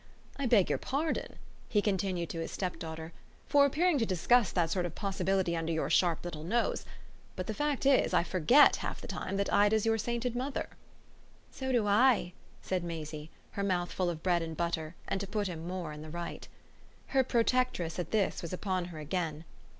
I beg your pardon," he continued to his stepdaughter, "for appearing to discuss that sort of possibility under your sharp little nose. But the fact is I FORGET half the time that Ida's your sainted mother." "So do I!" said Maisie, her mouth full of bread and butter and to put him the more in the right. Her protectress, at this, was upon her again.